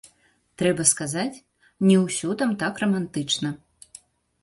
Трэба сказаць, не ўсё там так рамантычна.